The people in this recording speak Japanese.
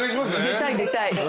出たい出たい。